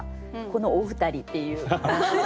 このお二人っていう。